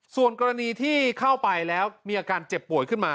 ส่วนกรณีที่เข้าไปแล้วมีอาการเจ็บป่วยขึ้นมา